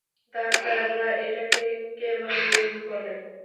ডাক্তাররা এটাকে chemo brain বলে।